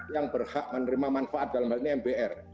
yang berhak menerima manfaat dalam hal ini mbr